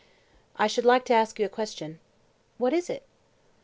I should like to ask you a question. What is it?